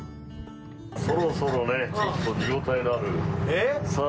そろそろねちょっと見ごたえのあるさあ。